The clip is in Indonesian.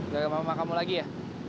gak mama kamu lagi ya